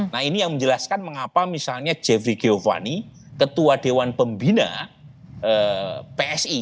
nah ini yang menjelaskan mengapa misalnya jeffrey geovani ketua dewan pembina psi